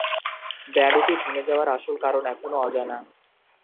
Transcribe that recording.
ব্যান্ডটি ভেঙ্গে যাওয়ার আসল কারণ এখনো অজানা।